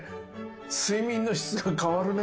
睡眠の質が変わるね。